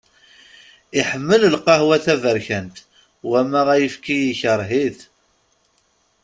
Iḥemmel lqahwa taberkant, wama ayefki ikreh-ih.